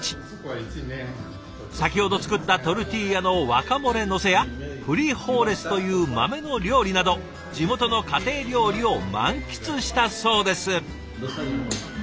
先ほど作ったトルティーヤのワカモレのせやフリホーレスという豆の料理など地元の家庭料理を満喫したそうです。